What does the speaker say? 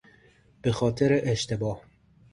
به خاطر اشتباه